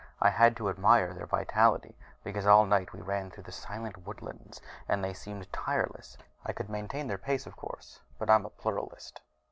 I had to admire their vitality, because all night we ran through the silent woodlands, and they seemed tireless. I could maintain their pace, of course: but I'm a Pluralist.